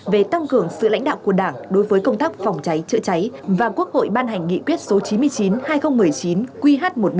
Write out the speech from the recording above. về tăng cường sự lãnh đạo của đảng đối với công tác phòng cháy chữa cháy và quốc hội ban hành nghị quyết số chín mươi chín hai nghìn một mươi chín qh một mươi năm